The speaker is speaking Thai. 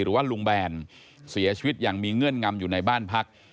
หรือว่าลุงแบนเสียชีวิตอย่างมีเงื่อนงำอยู่ในบ้านพัก